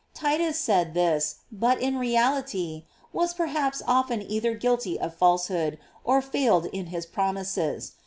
Titus said this, but, in reality, was perhaps often either guilty of falsehood, or fail ed in his promises.